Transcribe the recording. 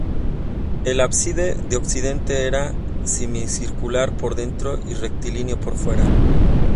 El ábside de occidente era semicircular por dentro y rectilíneo por fuera.